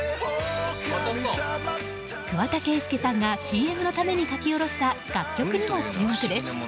桑田佳祐さんがＣＭのために書き下ろした楽曲にも注目です。